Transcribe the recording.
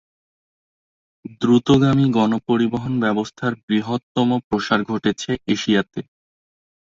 দ্রুতগামী গণপরিবহন ব্যবস্থার বৃহত্তম প্রসার ঘটেছে এশিয়াতে।